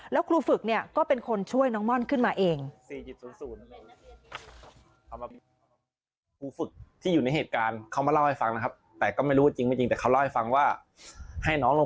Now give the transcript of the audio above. แล้วครูฝึกเนี่ยก็เป็นคนช่วยน้องม่อนขึ้นมาเอง